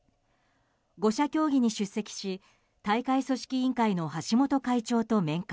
５者協議に出席し大会組織委員会の橋本会長と面会。